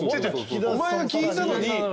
お前が聞いたのに。